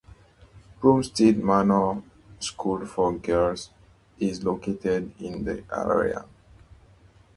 Plumstead Manor School for girls is located in the area.